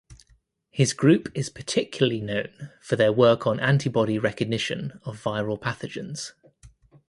His group is particularly known for their work on antibody recognition of viral pathogens.